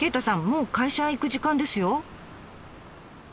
もう会社行く時間ですよ？